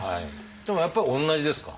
でもやっぱり同じですか？